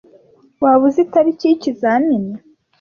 Waba uzi itariki yikizamini?